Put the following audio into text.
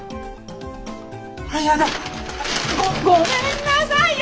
あらやだごめんなさいね！